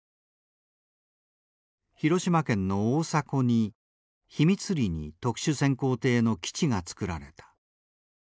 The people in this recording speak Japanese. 広島県の大迫に秘密裏に特殊潜航艇の基地が造られた。